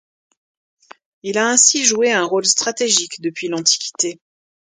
Il a ainsi joué un rôle stratégique depuis l'Antiquité.